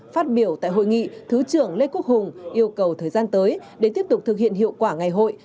phát biểu tại hội nghị thứ trưởng lê quốc hùng yêu cầu thời gian tới để tiếp tục thực hiện hiệu quả ngày hội